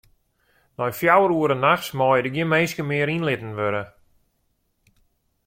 Nei fjouwer oere nachts meie der gjin minsken mear yn litten wurde.